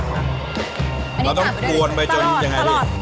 เราต้องกวนไปจนยังไงพี่